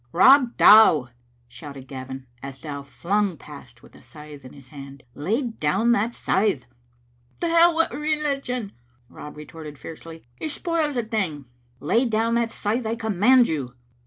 "Rob Dow," shouted Gavin, as Dow flung past with a scythe in his hand, "lay down that scythe." "To hell wi' religion!" Rob retorted, fiercely; "it spoils a' thing." " Lay down that scythe; I command you."